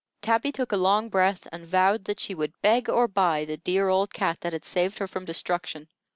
Tabby took a long breath, and vowed that she would beg or buy the dear old cat that had saved her from destruction.